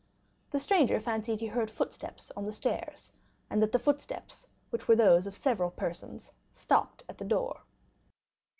The stranger fancied he heard footsteps on the stairs; and that the footsteps, which were those of several persons, stopped at the door.